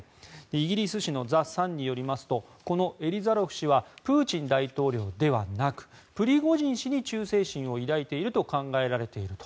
イギリス紙のザ・サンによりますとこのエリザロフ氏はプーチン大統領ではなくプリゴジン氏に忠誠心を抱いていると考えられていると。